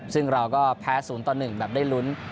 ซึ่งเราก็แพ้๐ต่อ๑แบบได้ลุ้น